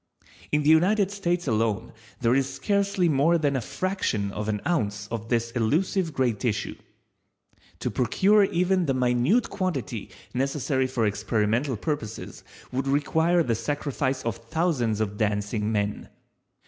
In the United States alone there is scarcely more than a fraction of an ounce of this elusive gray tissue. To procure even the minute quantity necessary for experimental purposes would require the sacrifice of thousands of Dancing men.